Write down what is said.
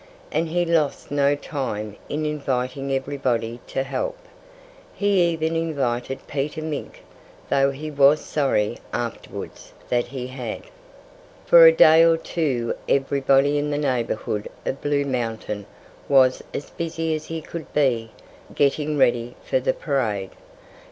And he lost no time in inviting everybody to help. He even invited Peter Mink, though he was sorry, afterwards, that he had. For a day or two everybody in the neighborhood of Blue Mountain was as busy as he could be, getting ready for the parade.